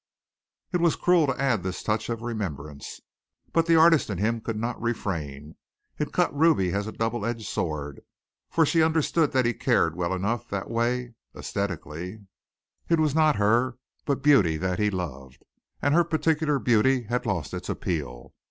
It was cruel to add this touch of remembrance, but the artist in him could not refrain. It cut Ruby as a double edged sword, for she understood that he cared well enough that way æsthetically. It was not her but beauty that he loved, and her particular beauty had lost its appeal.